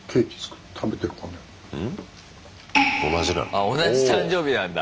あ同じ誕生日なんだ。